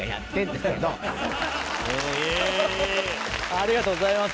ありがとうございます。